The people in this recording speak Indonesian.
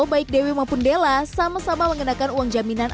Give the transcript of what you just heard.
baik dewi maupun della sama sama mengenakan uang jaminan